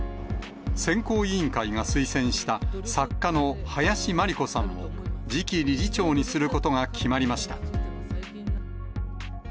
選考委員会が推薦した作家の林真理子さんを次期理事長にすることが決まりました。